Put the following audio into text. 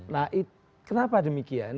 nah kenapa demikian